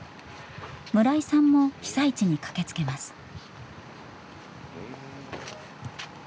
村井さんも被災地に駆けつけます。